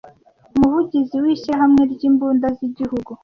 umuvugizi w’ishyirahamwe ry’imbunda z’igihugu